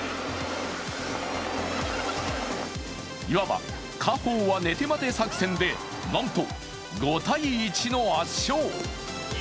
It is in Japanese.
いわば、果報は寝て待て作戦で、なんと５−１の圧勝。